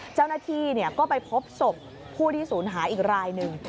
เจ้าหน้าที่ก็ไปพบศพผู้ที่ศูนย์หายอีกรายหนึ่ง